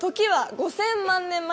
５０００万年前。